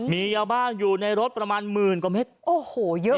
มียาบ้าอยู่ในรถประมาณหมื่นกว่าเม็ดโอ้โหเยอะ